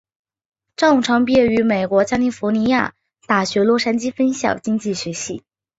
张五常毕业于美国加利福尼亚大学洛杉矶分校经济学系。